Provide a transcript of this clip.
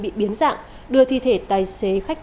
bị biến dạng đưa thi thể tài xế khách